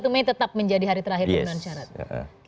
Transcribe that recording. satu mei tetap menjadi hari terakhir pemenuhan syarat